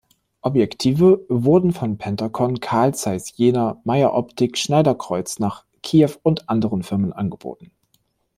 Objektive wurden von Pentacon, Carl Zeiss Jena, Meyer-Optik, Schneider-Kreuznach, Kiev und anderen Firmen angeboten.